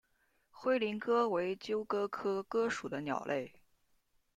灰林鸽为鸠鸽科鸽属的鸟类。